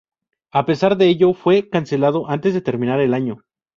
A pesar de ello, fue cancelado antes de terminar el año.